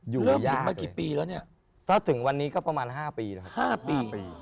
อยู่ในยากเลยแล้วถึงวันนี้ก็ประมาณ๕ปีครับครับ๕ปี